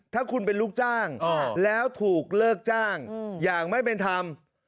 ถ้าคุณเป็นลูกจ้างแล้วถูกเลิกจ้างอย่างไม่เป็นธรรม